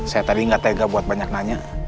saya tadi nggak tega buat banyak nanya